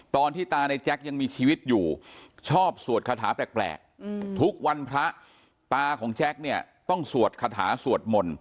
ตอนที่ตาในแจ๊กยังมีชีวิตอยู่ชอบสวดคาถาแปลกทุกวันพระตาของแจ็คเนี่ยต้องสวดคาถาสวดมนต์